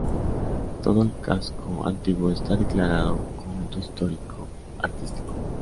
Todo el casco antiguo está declarado Conjunto Histórico-Artístico.